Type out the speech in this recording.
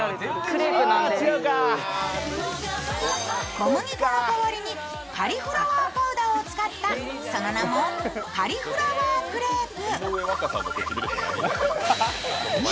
小麦粉の代わりにカリフラワーパウダーを使った、その名もカリフラワークレープ。